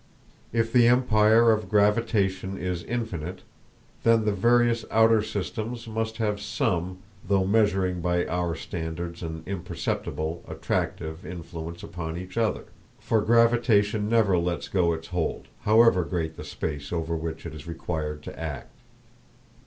If the empire of gravitation is infinite, then the various outer systems must have some, though measuring by our standards an imperceptible, attractive influence upon each other, for gravitation never lets go its hold, however great the space over which it is required to act.